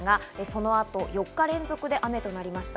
この後、４日連続で雨となりました。